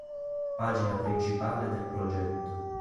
Pagina principale del progetto